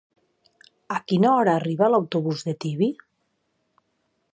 A quina hora arriba l'autobús de Tibi?